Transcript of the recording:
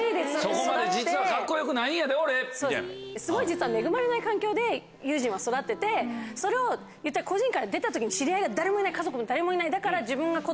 すごい実は恵まれない環境でユージーンは育っててそれを孤児院から出た時に知り合いが誰もいない家族も誰もいないだから。